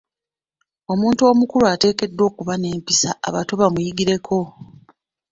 Omuntu omukulu ateekeddwa okuba n'empisa abato bamuyigireko